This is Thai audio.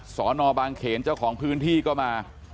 สอนอบางเขนเจ้าของพื้นที่ก็มา